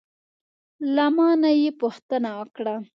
له ما نه یې پوښتنه وکړه: